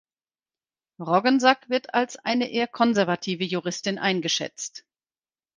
Roggensack wird als eine eher konservative Juristin eingeschätzt.